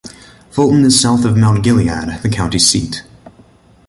Fulton is south of Mount Gilead, the county seat.